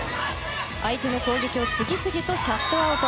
相手の攻撃を次々とシャットアウト。